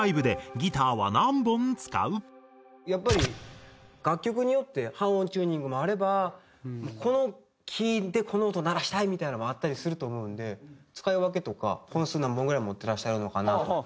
やっぱり楽曲によって半音チューニングもあればこのキーでこの音鳴らしたいみたいなのもあったりすると思うんで使い分けとか本数何本ぐらい持ってらっしゃるのかなとか。